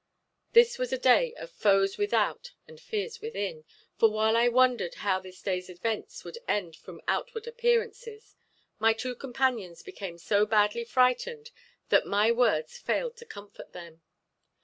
This was a day of "foes without and fears within," for while I wondered how this day's events would end from outward appearances, my two companions became so badly frightened that my words failed to comfort them.